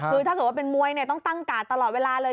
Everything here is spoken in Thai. คือถ้าเกิดว่าเป็นมวยต้องตั้งกาดตลอดเวลาเลย